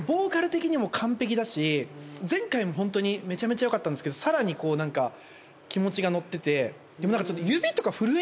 前回もホントにめちゃめちゃよかったんですけど更に気持ちがのっててでも。